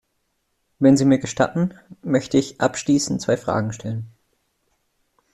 Wenn Sie mir gestatten, möchte ich abschließend zwei Fragen stellen.